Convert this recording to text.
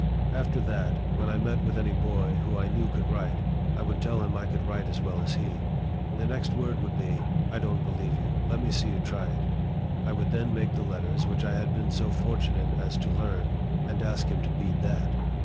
After that, when I met with any boy who I knew could write, I would tell him I could write as well as he. The next word would be, " I don't believe you. Let me see you try it." I would then make the letters which I had been so fortunate as to learn, and ask him to beat that.